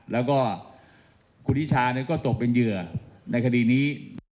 แล้วก็คุณนิชาก็ตกเป็นเหยื่อในคดีนี้